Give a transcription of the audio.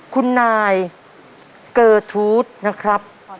คุณนายเกอร์ทูธนะครับ